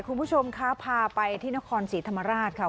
คุณผู้ชมคะพาไปที่นครศรีธรรมราชค่ะ